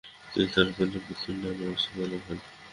তিনি তার পঞ্চম পুথ্রের নাম অস্কার রাখেন।